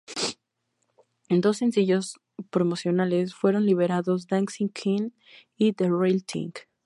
Dos sencillos promocionales fueron liberados; Dancing Queen y The Real Thing.